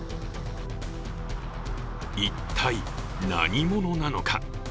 一体、何者なのか。